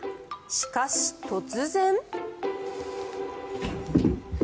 しかし、突然。